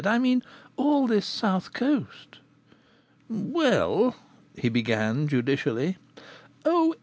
"I mean all this south coast." "Well " he began judicially. "Oh!